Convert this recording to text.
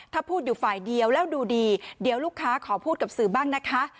ถ้าพูดอยู่ฝ่ายเดียวแล้วดูดีเดี๋ยวลูกค้าขอพูดกับสื่อบ้างนะคะ